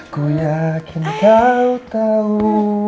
ku yakin kau tahu